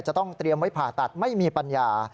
จะต้องเตรียมไว้ผ่าตัดไม่มีปัญญา